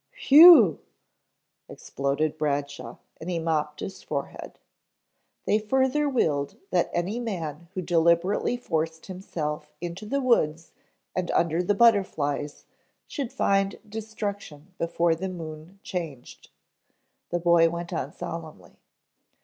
"Whew," exploded Bradshaw and he mopped his forehead. "They further willed that any man who deliberately forced himself into the woods and under the butterflies should find destruction before the moon changed," the boy went on solemnly.